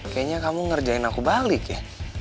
kayaknya kamu ngerjain aku balik ya